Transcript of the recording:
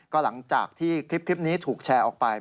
ก็หลังจากที่คลิปนี้ถูกแชร์ออกไป